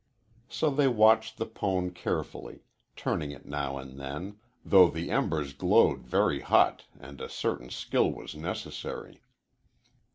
So they watched the pone carefully, turning it now and then, though the embers glowed very hot and a certain skill was necessary.